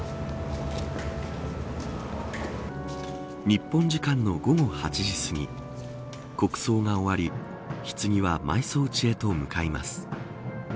日本時間の午後８時すぎ国葬が終わりひつぎは埋葬地へと向かいます。